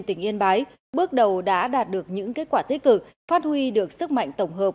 tỉnh yên bái bước đầu đã đạt được những kết quả tích cực phát huy được sức mạnh tổng hợp